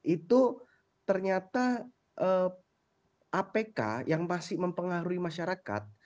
itu ternyata apk yang masih mempengaruhi masyarakat